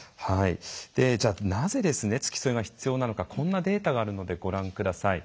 じゃあなぜ付き添いが必要なのかこんなデータがあるのでご覧下さい。